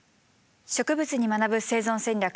「植物に学ぶ生存戦略」